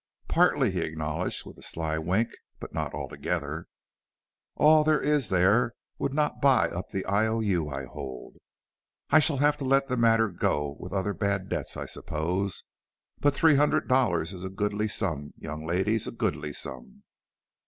"Partly," he acknowledged with a sly wink, "but not altogether. All there is there would not buy up the I. O. U. I hold. I shall have to let the matter go with other bad debts I suppose. But three hundred dollars is a goodly sum, young ladies, a goodly sum."